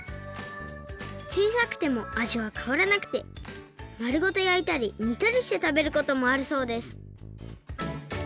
ちいさくてもあじはかわらなくてまるごとやいたりにたりしてたべることもあるそうです